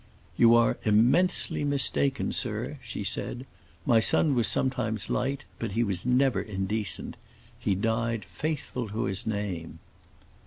"You are immensely mistaken, sir," she said. "My son was sometimes light, but he was never indecent. He died faithful to his name."